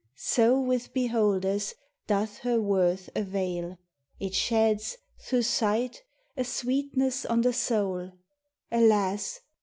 So with beholders doth her worth avail, It sheds, thro' sight, a sweetness on the soul, (Alas!